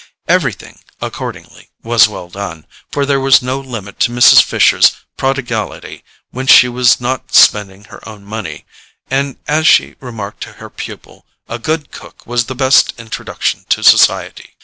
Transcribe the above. Everything, accordingly, was well done, for there was no limit to Mrs. Fisher's prodigality when she was not spending her own money, and as she remarked to her pupil, a good cook was the best introduction to society.